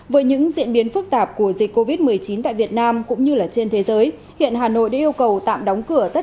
với những diễn biến phức tạp của dịch covid một mươi chín tại việt nam cũng như trên thế giới hiện hà nội đã yêu cầu tạm đóng cửa tất